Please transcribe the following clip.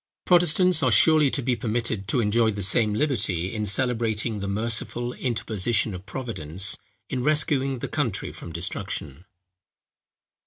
Protestants are surely to be permitted to enjoy the same liberty, in celebrating the merciful interposition of Providence in rescuing the country from destruction.